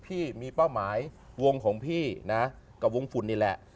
พี่มีเป้าหมายวงของพี่นะกับวงฝุ่นนี่แหละ